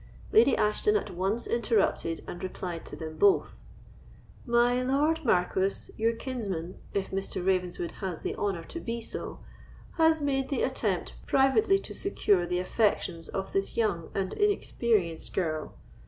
Lady Ashton at once interrupted and replied to them both: "My Lord Marquis, your kinsman, if Mr. Ravenswood has the honour to be so, has made the attempt privately to secure the affections of this young and inexperienced girl.